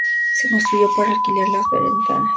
Se construyó para alquilar a los veraneantes.